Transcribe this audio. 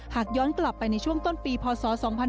หากย้อนกลับไปในช่วงต้นปีพศ๒๕๕๙